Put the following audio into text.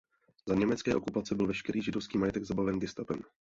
Za německé okupace byl veškerý židovský majetek zabaven gestapem.